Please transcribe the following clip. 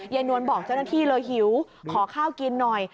นวลบอกเจ้าหน้าที่เลยหิวขอข้าวกินหน่อย